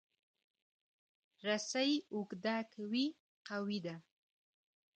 رسۍ اوږده که وي، قوي ده.